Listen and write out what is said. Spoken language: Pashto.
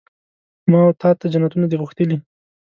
ما وتا ته جنتونه دي غوښتلي